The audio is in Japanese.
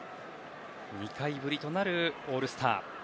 ２回ぶりとなるオールスター。